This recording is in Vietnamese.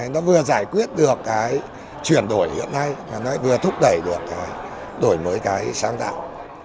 nó vừa giải quyết được cái chuyển đổi hiện nay và nó vừa thúc đẩy được cái đổi mới cái sáng tạo